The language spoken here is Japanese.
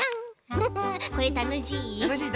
フフこれたのしい。